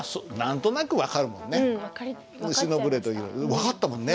分かったもんね。